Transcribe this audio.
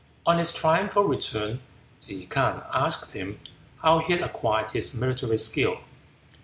On his triumphal return, Ke K'ang asked him how he had acquired his military skill.